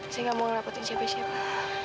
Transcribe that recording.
saya gak mau ngerepotin siapa siapa